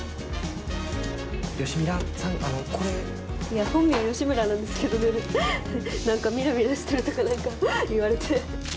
いや本名は吉村なんですけどね何かミラミラしてるとか何か言われて。